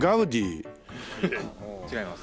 違います。